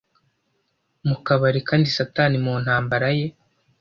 mukabari Kandi Satani mu ntambara ye